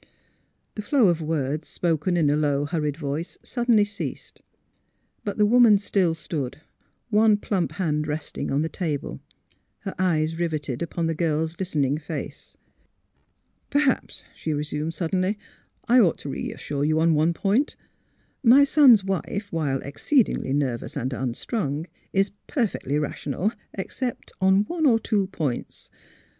The flow of words, spoken in a low, hurried voice, suddenly ceased. But the woman still stood, one plump hand resting on the table, her eyes riveted upon the girl's listening face. '' Perhaps," she resumed, suddenly, " I ought to reassure you on one point : my son's wife, while exceedingly nervous and unstrung, is perfectly ra tional except on one or two points.